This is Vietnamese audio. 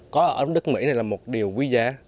có ở đức mỹ này là một điều quý giá